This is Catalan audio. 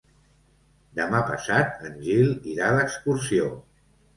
Demà passat en Gil irà d'excursió.